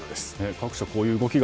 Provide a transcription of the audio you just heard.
各所、こういう動きが。